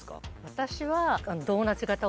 私は。